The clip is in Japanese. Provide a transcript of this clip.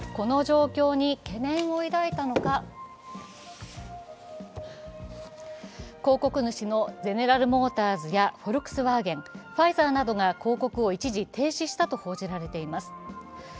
この状況に懸念を抱いたのが広告主のゼネラル・モーターズやフォルクスワーゲン、ファイザーなどが広告を一時停止したと報じられています。